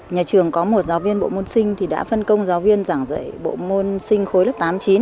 nhà trường có một giáo viên bộ môn sinh thì đã phân công giáo viên giảng dạy bộ môn sinh khối lớp tám chín